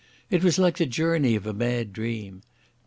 It was like the journey of a mad dream.